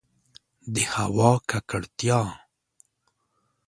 د هوا ککړتیا